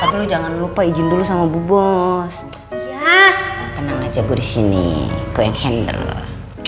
tapi lu jangan lupa ijin dulu sama bu bos ya tenang aja gue disini gue yang handle lah